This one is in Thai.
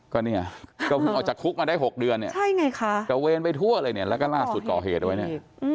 ก็นี่ออกจากคุกมาได้๖เดือนใช่ไงค่ะกระเวนไปทั่วเลยแล้วก็ล่าสุดก่อเหตุไว้